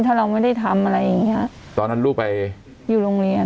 ถ้าเราไม่ได้ทำอะไรอย่างเงี้ยตอนนั้นลูกไปอยู่โรงเรียน